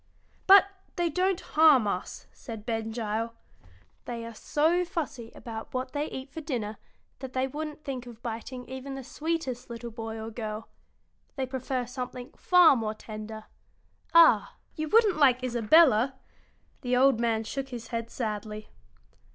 "But they don't harm us," said Ben Gile. "They are so fussy about what they eat for dinner that they wouldn't think of biting even the sweetest little boy or girl. They prefer something far more tender. Ah, you wouldn't like Isabella!" The old man shook his head sadly.